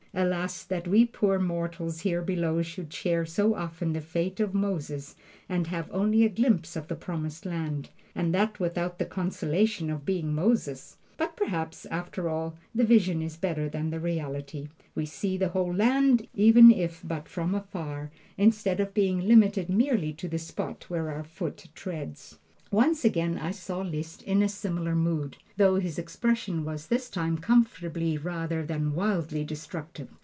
Alas, that we poor mortals here below should share so often the fate of Moses, and have only a glimpse of the Promised Land, and that without the consolation of being Moses! But perhaps, after all, the vision is better than the reality. We see the whole land, even if but from afar, instead of being limited merely to the spot where our foot treads. Once again I saw Liszt in a similar mood, though his expression was this time comfortably rather than wildly destructive.